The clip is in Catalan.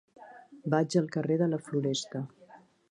Vaig al carrer de la Floresta.